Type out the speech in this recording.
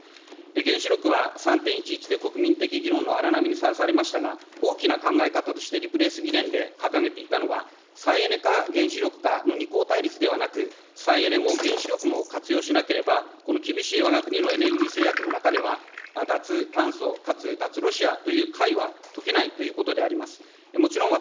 原子力は３・１１で国民的議論の荒波にさらされましたが、大きな考え方としてリプレース議連で掲げていたのは、再エネか原子力化のにこうたいりつではなく、再エネも原子力も活用しなければ、この厳しいわが国のエネルギー制約の中では、脱炭素かつ脱ロシアというかいは解けないということであります。